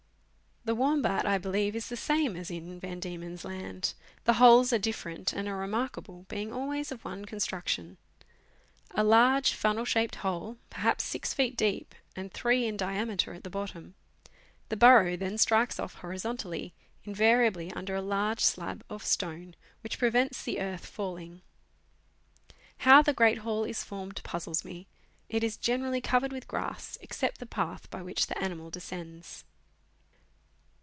The wombat, I believe, is the same as in Van Diemen's Land ; the holes are different, and are remarkable, being always of one construction. A large funnel shaped hole, perhaps 6 feet deep and 3 in diameter at the bottom ; the burrow then strikes off horizontally, invariably under a large slab of stone, which prevents the earth falling. How the great hole is formed puzzles me; it is generally covered with grass, except the path by which the animal descends.